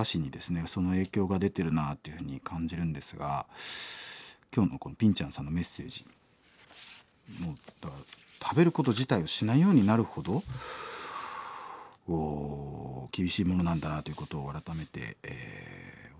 その影響が出てるなあというふうに感じるんですが今日のこのピンちゃんさんのメッセージもう食べること自体をしないようになるほど厳しいものなんだなということを改めて教えてもらいましたが